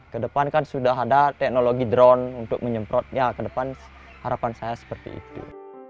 kedepan kan sudah ada teknologi drone untuk menyemprot ya kedepan harapan saya seperti itu